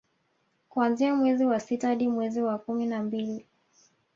kuanzia mwezi wa sita hadi mwezi wa kumi na mbili